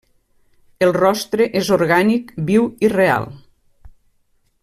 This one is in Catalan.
El rostre és orgànic, viu i real.